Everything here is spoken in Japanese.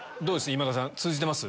今田さん通じてます？